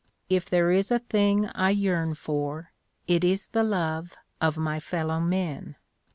If there is a thing I yearn for, it is the love of my fellow men.